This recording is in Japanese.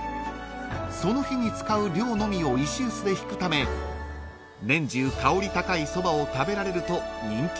［その日に使う量のみを石臼でひくため年中香り高いそばを食べられると人気のお店です］